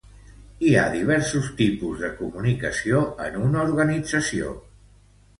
Hi ha diversos tipus de comunicació en una organització.